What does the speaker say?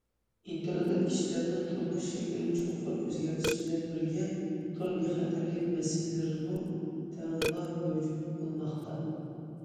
ئىنتېرنېت كىشىلەرنىڭ تۇرمۇش شەكلىنى چوڭقۇر ئۆزگەرتىش بىلەن بىرگە، تور بىخەتەرلىكى مەسىلىلىرىمۇ تەڭلا مەۋجۇت بولماقتا.